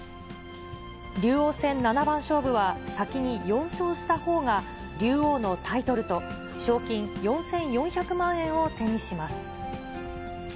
竜王戦七番勝負は、先に４勝したほうが、竜王のタイトルと、賞金４４００万円を手にします。